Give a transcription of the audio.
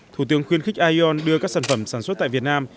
thủ tướng khuyên khích ion đưa các sản phẩm sản xuất tại việt nam